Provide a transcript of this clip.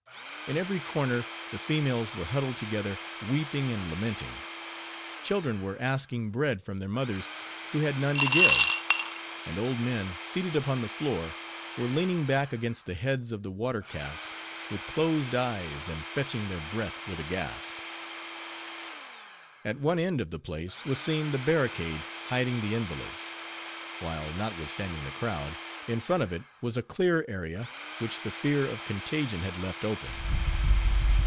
In every corner, the females were huddled together, weeping and lamenting; children were asking bread from their mothers, who had none to give; and old men, seated upon the floor, were leaning back against the heads of the water casks, with closed eyes and fetching their breath with a gasp. At one end of the place was seen the barricade, hiding the invalids; while—notwithstanding the crowd—in front of it was a clear area, which the fear of contagion had left open.